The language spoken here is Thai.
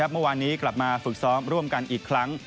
เมื่อวานนี้กลับมาฝึกซ้อมร่วมกันอีกครั้ง